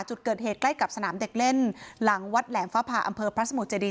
จุดเกิดเหตุใกล้กับสนามเด็กเล่นหลังวัดแหลมฟ้าผ่าอำเภอพระสมุทรเจดี